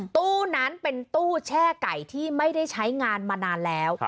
ตู้นั้นเป็นตู้แช่ไก่ที่ไม่ได้ใช้งานมานานแล้ว